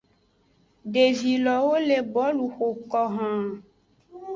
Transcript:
Devi lowo le bolu xoko haan.